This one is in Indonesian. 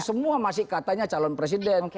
semua masih katanya calon presiden